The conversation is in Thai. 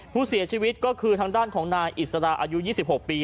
ผู้เสียชีวิตก็คือทางด้านของนายอิสราอายุ๒๖ปี